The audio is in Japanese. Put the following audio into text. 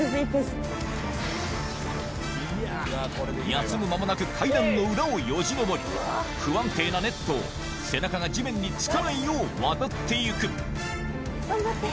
休む間もなく階段の裏をよじ上り不安定なネットを背中が地面に着かないよう渡って行く頑張って！